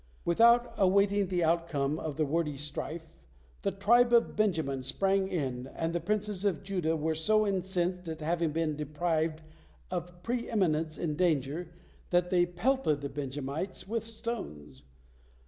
Without awaiting the outcome of the wordy strife, the tribe of Benjamin sprang in, and the princes of Judah were so incensed at having been deprived of pre eminence in danger that they pelted the Benjamites with stones.